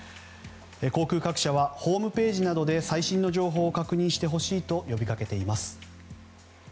航空各社はホームページなどで最新情報を確認してほしいと呼びかけています。